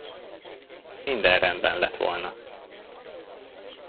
Minden rendben lett volna.